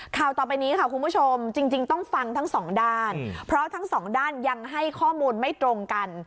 ข่าวต่อไปนี้ค่ะคุณผู้ชมจริงต้องฟังทั้งสองด้านเพราะทั้งสองด้านยังให้ข้อมูลไม่ตรงกัน